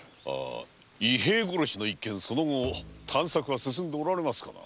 伊兵衛殺しの一件その後探索は進んでおられますかな？